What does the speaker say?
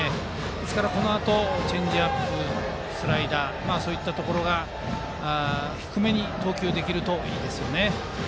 ですからこのあとチェンジアップやスライダーが低めに投球できるといいですよね。